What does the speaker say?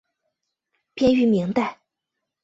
编于明代。